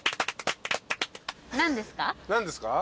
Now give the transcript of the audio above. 何ですか？